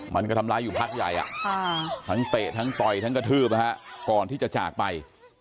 มันก็ทำร้ายอยู่พักใหญ่ทั้งเตะทั้งต่อยทั้งกระทืบก่อนที่จะจากไป